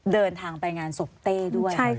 เดินทางไปงานศพเต้ด้วย